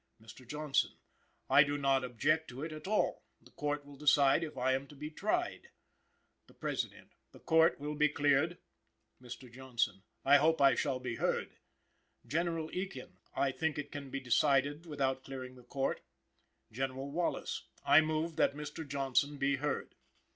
"Mr. Johnson. I do not object to it at all. The Court will decide if I am to be tried. "The President. The Court will be cleared. "Mr. Johnson. I hope I shall be heard. "General Ekin. I think it can be decided without clearing the Court. "General Wallace. I move that Mr. Johnson be heard.